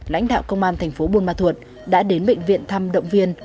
lãnh đạo công an thành phố buôn ma thuột đã đến bệnh viện thăm động viên